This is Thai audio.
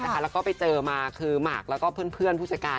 แล้วก็ไปเจอมาคือหมากแล้วก็เพื่อนผู้จัดการ